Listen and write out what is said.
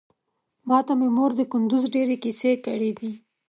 ماته مې مور د کندوز ډېرې کيسې کړې دي.